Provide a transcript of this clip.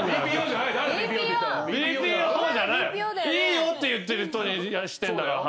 「いいよ」って言ってる人にしてんだから。